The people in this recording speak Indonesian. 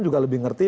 juga lebih ngerti